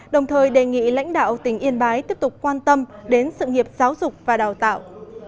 đồng thời đề nghị lãnh đạo tỉnh yên bái tiếp tục quan tâm đến sự nghiệp giáo dục và đào tạo